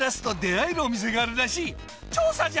調査じゃ！